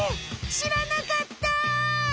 しらなかった！